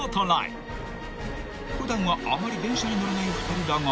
［普段はあまり電車に乗らない２人だが］